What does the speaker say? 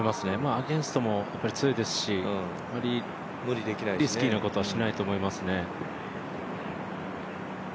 アゲンストも強いですしあまりリスキーなことはしないと思いますね。